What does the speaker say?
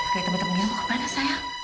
pakai teman teman dirimu kemana sayang